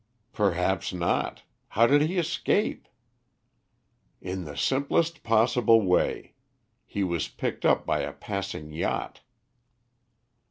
"Perhaps not. How did he escape?" "In the simplest possible way. He was picked up by a passing yacht."